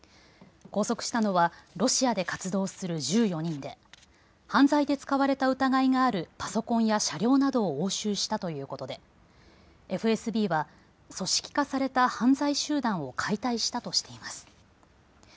拘束したのはロシアで活動する１４人で犯罪で使われた疑いがあるパソコンや車両などを押収したということでＦＳＢは組織化された犯罪集団を解体したとしています。